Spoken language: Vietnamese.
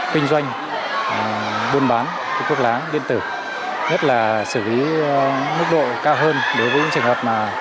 kinh doanh buôn bán thuốc lá điện tử nhất là xử lý mức độ cao hơn đối với những trường hợp mà